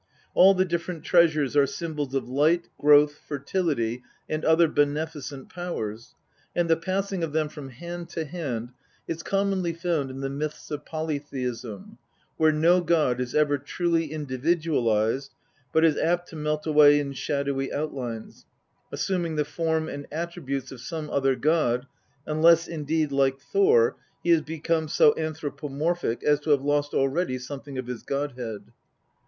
All the different treasures are symbols of light, growth, fertility, and other beneficent powers, and the passing of them from hand to hand is commonly found in the myths of polytheism, where no god is ever truly individualised, but is apt to melt away in shadowy outlines, assuming the form and attri butes of some other god, unless indeed, like Thor, he has become so anthropomorphic as to have lost already something of his god head.